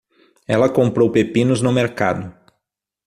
Ela comprou pepinos no mercado.